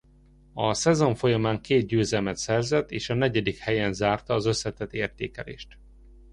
A szezon folyamán két győzelmet szerzett és a negyedik helyen zárta az összetett értékelést.